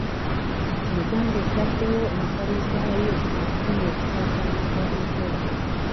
Uganda egaddewo ensalo zaayo okukomya okusaasaana kwa Ebola.